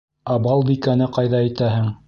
Ә Балбикәне ҡайҙа итәһең?